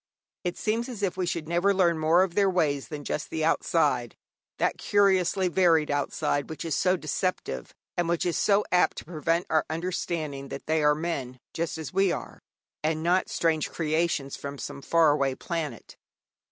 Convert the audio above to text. It seems as if we should never learn more of their ways than just the outside that curiously varied outside which is so deceptive, and which is so apt to prevent our understanding that they are men just as we are, and not strange creations from some far away planet.